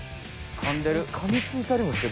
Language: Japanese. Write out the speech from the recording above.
かんでる。